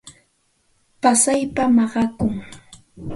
Pasaypam mallaqaykuu.